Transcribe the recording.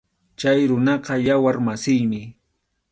Chay runaqa yawar masiymi.